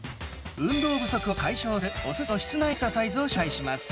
運動不足を解消する、おすすめの室内エクササイズを紹介します。